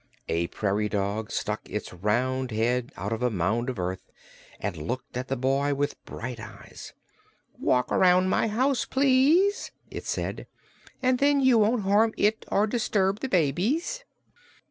A prairie dog stuck its round head out of a mound of earth and looked at the boy with bright eyes. "Walk around my house, please," it said, "and then you won't harm it or disturb the babies."